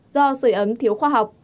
do sửa ấm thiếu khoa học